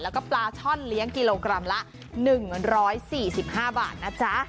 แล้วก็ปลาช่อนเลี้ยงกิโลกรัมละ๑๔๕บาทนะจ๊ะ